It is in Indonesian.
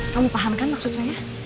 kamu paham kan maksud saya